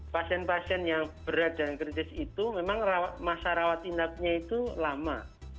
pasien pasien yang berat dan kritis itu memang masa rawat inapnya itu lama